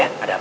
ya ada apa